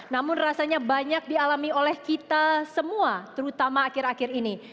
namun rasanya banyak dialami oleh kita semua terutama akhir akhir ini